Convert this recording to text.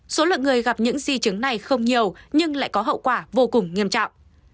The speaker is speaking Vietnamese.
số lượng người gặp những di chứng này không nhiều nhưng lại có hậu quả vô cùng nghiêm trọng